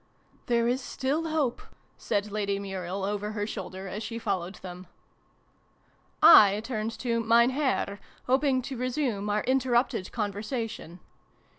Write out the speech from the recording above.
" There is still hope !" said Lady Muriel over her shoulder, as she followed them. I turned to ' Mein Herr,' hoping to resume our interrupted conversation.